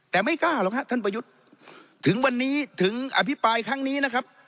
แต่ไม่กล้าหรอกครับท่านประยุทธ์ถึงวันนี้ถึงอภิปรายครั้งนี้นะครับ